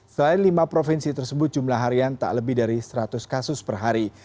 selain lima provinsi tersebut jumlah harian tak lebih dari seratus kasus per hari